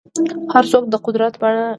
هر څوک د قدرت بنده ګرځي.